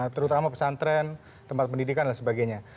terutama pesantren tempat pendidikan dan sebagainya